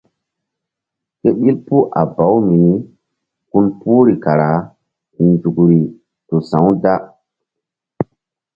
Ke ɓil puh a baw mini gun puhri kara nzukri tu sa̧-u da.